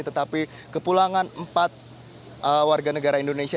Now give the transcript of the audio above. tetapi kepulangan empat warga negara indonesia